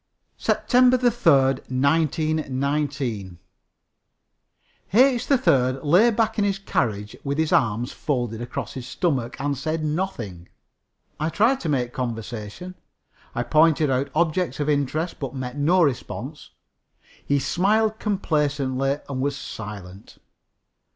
SEPTEMBER 3, 1919. H. 3rd lay back in his carriage with his arms folded across his stomach and said nothing. I tried to make conversation. I pointed out objects of interest, but met no response. He smiled complacently and was silent.